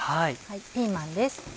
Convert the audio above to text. ピーマンです。